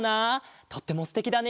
とってもすてきだね。